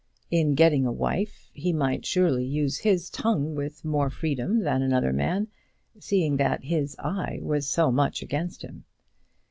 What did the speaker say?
In getting a wife he might surely use his tongue with more freedom than another man, seeing that his eye was so much against him.